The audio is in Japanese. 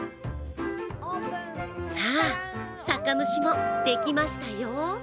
さあ、酒蒸しもできましたよ。